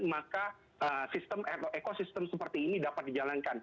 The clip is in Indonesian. maka sistem ekosistem seperti ini dapat dijalankan